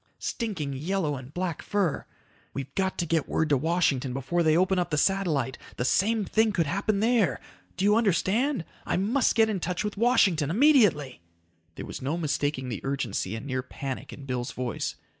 Stinking yellow and black fur. We've got to get word to Washington before they open up the satellite. The same thing could happen there. Do you understand? I must get in touch with Washington. Immediately!" There was no mistaking the urgency and near panic in Bill's voice.